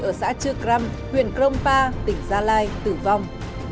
ở xã chư cram huyện crong pa tỉnh gia lai tử vong